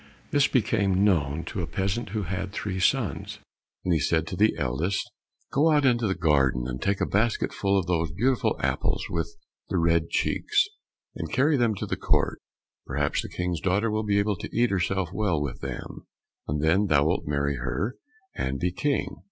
This became known to a peasant who had three sons, and he said to the eldest, "Go out into the garden and take a basketful of those beautiful apples with the red cheeks and carry them to the court; perhaps the King's daughter will be able to eat herself well with them, and then thou wilt marry her and be King."